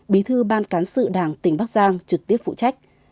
bí thư ban cán sự đảng tỉnh bắc giang trực tiếp phụ trách